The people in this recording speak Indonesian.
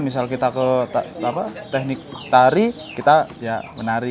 misal kita ke teknik tari kita ya menari